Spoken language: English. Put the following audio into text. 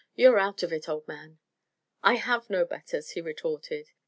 You're out of it, old man." "I have no betters," he retorted.